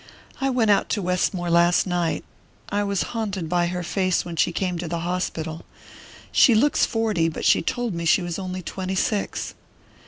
"I went out to Westmore last night. I was haunted by her face when she came to the hospital. She looks forty, but she told me she was only twenty six."